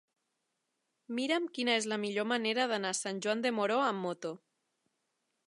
Mira'm quina és la millor manera d'anar a Sant Joan de Moró amb moto.